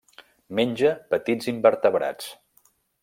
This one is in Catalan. Menja petits invertebrats.